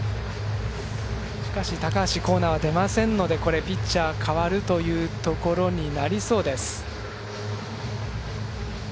しかし、高橋光成は出ませんのでピッチャーが代わるということになりそうです。